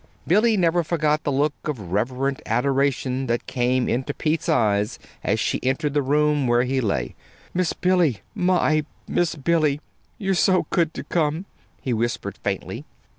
Billy never forgot the look of reverent adoration that came into Pete's eyes as she entered the room where he lay. "Miss Billy my Miss Billy! You were so good to come," he whispered faintly.